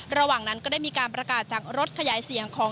ระหว่างนั้นก็ได้มีการประกาศจากรถขยายเสียงของ